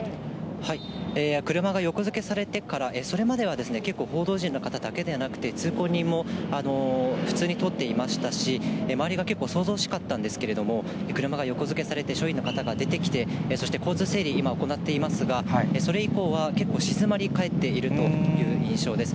車が横付けされてから、それまでは結構、報道陣の方だけではなくて、通行人も普通に通っていましたし、周りが結構、騒々しかったんですけれども、車が横付けされて、署員の方が出てきて、そして交通整理、今、行っていますが、それ以降は結構、静まり返っているという印象です。